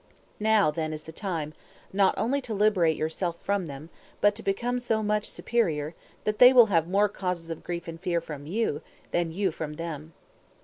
Now then is the time, not only to liberate yourself from them, but to become so much superior, that they will have more causes of grief and fear from you, than you from them.